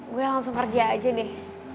gue langsung kerja aja deh